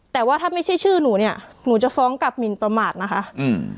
แต่ว่าถ้าไม่ใช่ชื่อหนูเนี้ยหนูจะฟ้องกลับหมินประมาทนะคะอืม